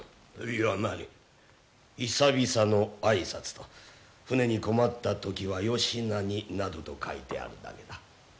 いや何久々の挨拶と船に困った時はよしなになどと書いてあるだけだ。